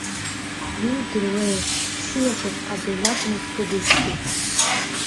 Иудыруеи, сыеҵәахә абри лакәны дкыдызҭгьы!